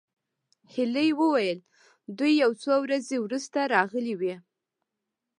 هيلې وویل دوی یو څو ورځې وروسته راغلې وې